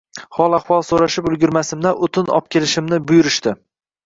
Hol-ahvol so‘rashib ulgurmasimdan, o‘tin opkelishimni buyurishdi